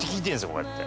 こうやって。